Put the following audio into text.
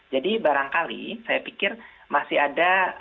jadi barangkali saya pikir masih ada